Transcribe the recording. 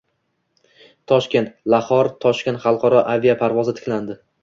Toshkent - Lahor – Toshkent xalqaro aviaparvozi tiklandi